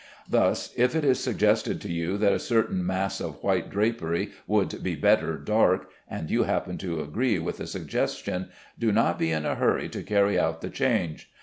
Thus, if it is suggested to you that a certain mass of white drapery would be better dark, and you happen to agree with the suggestion, do not be in a hurry to carry out the change.